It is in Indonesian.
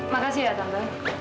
makasih ya tante